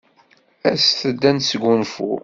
Aset-d ad nesgunfu.